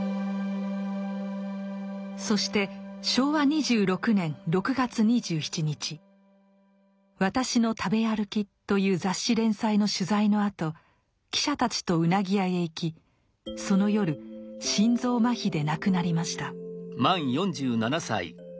そして昭和２６年６月２７日「私の食べあるき」という雑誌連載の取材のあと記者たちとうなぎ屋へ行きその夜心臓麻痺で亡くなりました。